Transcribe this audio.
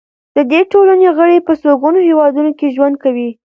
د دې ټولنې غړي په سلګونو هیوادونو کې ژوند کوي.